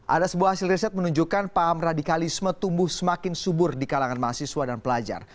ada sebuah hasil riset menunjukkan paham radikalisme tumbuh semakin subur di kalangan mahasiswa dan pelajar